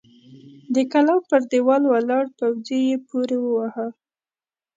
د کلا پر دېوال ولاړ پوځي يې پورې واهه!